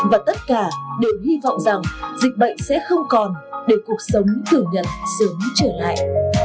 và tất cả đều hy vọng rằng dịch bệnh sẽ không còn để cuộc sống thường nhật sớm trở lại